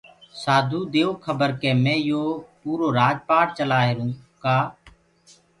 سآڌوٚ ديئو کَبَر ڪي مي يو پوٚرو رآج پآٽ چلآهيرونٚ ڪآ